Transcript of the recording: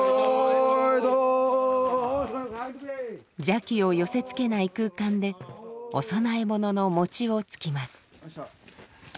邪気を寄せつけない空間でお供え物の餅をつきます。